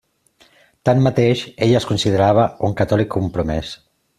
Tanmateix, ell es considerava un catòlic compromès.